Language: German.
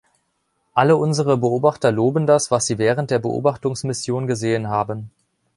Alle unsere Beobachter loben das, was sie während der Beobachtungsmission gesehen haben.